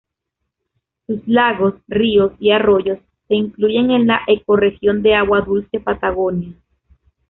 Sus lagos, ríos y arroyos se incluyen en la ecorregión de agua dulce Patagonia.